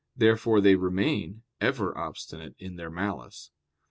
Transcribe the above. Therefore they remain ever obstinate in their malice.